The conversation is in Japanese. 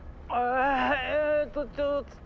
えぇとちょつと。